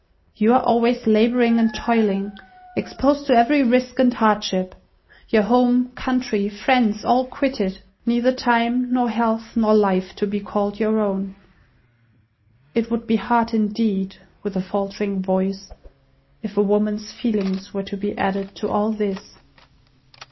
You are always labouring and toiling, exposed to every risk and hardship. Your home, country, friends, all quitted. Neither time, nor health, nor life, to be called your own. It would be hard, indeed" (with a faltering voice), "if woman's feelings were to be added to all this."